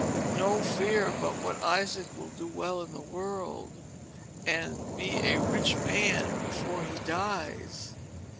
"No fear but what Isaac will do well in the world, and be a rich man before he dies."